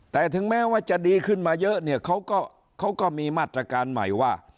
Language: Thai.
แต่ถึงแม้ว่าจะดีขึ้นมาเยอะเนี่ยเขาก็มีมาตรการใหม่ว่า